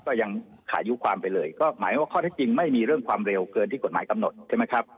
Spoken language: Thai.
ก็ยังขายุความไปเลยก็หมายว่าข้อที่จริงไม่มีเรื่องความเร็วเกินที่กฎหมายกำหนดใช่ไหมครับ